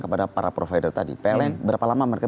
kepada para provider tadi pln berapa lama mereka